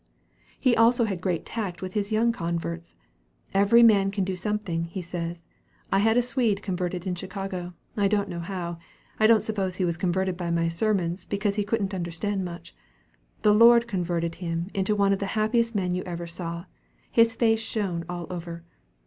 He also has great tact with his young converts. "Every man can do something," he says. "I had a Swede converted in Chicago. I don't know how. I don't suppose he was converted by my sermons, because he couldn't understand much. The Lord converted him into one of the happiest men you ever saw. His face shone all over.